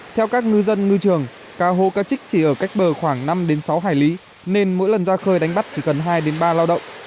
theo các ngư dân ngư trường cá hồ cá trích chỉ ở cách bờ khoảng năm sáu hải lý nên mỗi lần ra khơi đánh bắt chỉ cần hai ba lao động